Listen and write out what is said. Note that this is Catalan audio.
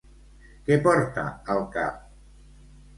Què porta al cap?